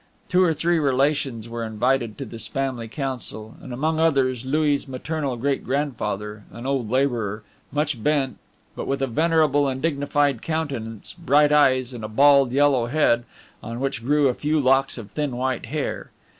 Two or three relations were invited to this family council, and among others Louis' maternal great grandfather, an old laborer, much bent, but with a venerable and dignified countenance, bright eyes, and a bald, yellow head, on which grew a few locks of thin, white hair.